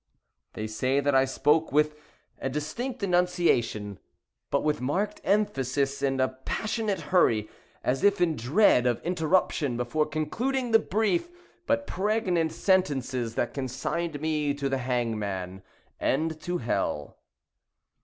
They say that I spoke with a distinct enunciation, but with marked emphasis and passionate hurry, as if in dread of interruption before concluding the brief but pregnant sentences that consigned me to the hangman and to hell.